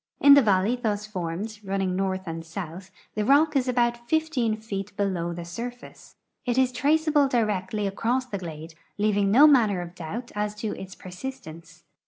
In the valley thus formed, running north and south, the rock is about 15 feet below the surface. It is traceable directly across the glade, leaving no manner of doubt as to its persistence.